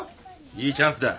いいチャンスだ。